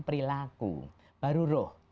perilaku baru roh